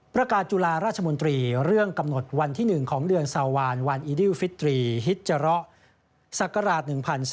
จุฬาราชมนตรีเรื่องกำหนดวันที่๑ของเดือนซาวานวันอีดิวฟิตรีฮิตจาระศักราช๑๔